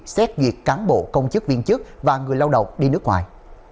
xét duyệt cán bộ công chức viên chức và người lao động đi nước ngoài